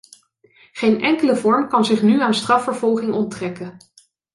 Geen enkele vorm kan zich nu aan strafvervolging onttrekken.